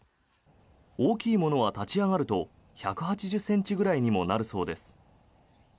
大きいものは、立ち上がると１８０ｃｍぐらいにもなるそうです。